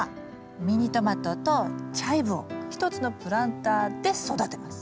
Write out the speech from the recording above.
ミニトマトとチャイブを１つのプランターで育てます。